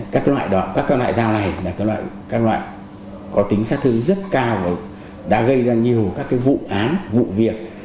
các loại các loại dao này là các loại có tính sát thương rất cao và đã gây ra nhiều các vụ án vụ việc